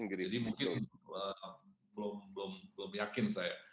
jadi mungkin belum yakin saya